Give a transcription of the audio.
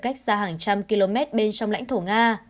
cách xa hàng trăm km bên trong lãnh thổ nga